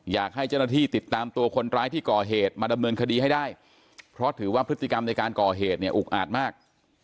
อยากให้เจ้าหน้าที่ติดตามตัวคนร้ายที่ก่อเหตุมาดำเนินคดีให้ได้เพราะถือว่าพฤติกรรมในการก่อเหตุเนี่ยอุกอาจมาก